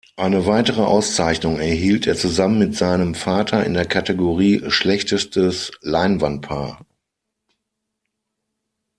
Eine weitere Auszeichnung erhielt er zusammen mit seinem Vater in der Kategorie "Schlechtestes Leinwandpaar".